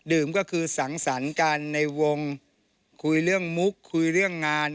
ก็คือสังสรรค์กันในวงคุยเรื่องมุกคุยเรื่องงาน